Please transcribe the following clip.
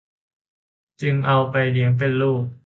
จึงเอาไปเลี้ยงเป็นลูก